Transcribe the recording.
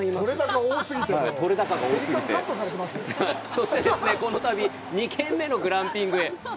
そして、この旅２軒目のグランピングへ！